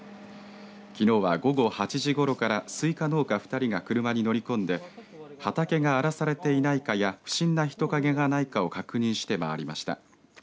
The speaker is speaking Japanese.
きのうは午後８時ごろからスイカ農家２人が車に乗り込んで畑が荒らされていないかや不審な人影がないかを確認して回りました。